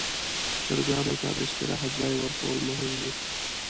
چرګانو ته د استراحت ځای ورکول مهم دي.